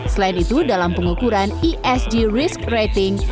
selain itu dalam pengukuran esg risk rating